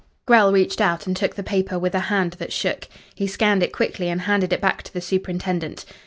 Grell reached out, and took the paper with a hand that shook. He scanned it quickly, and handed it back to the superintendent.